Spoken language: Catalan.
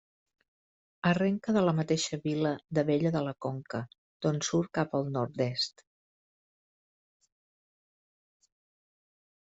Arrenca de la mateixa vila d'Abella de la Conca, d'on surt cap al nord-est.